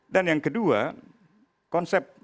dan yang kedua konsep